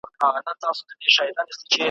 زه به درځم چي په ارغند کي زرغونې وي وني ,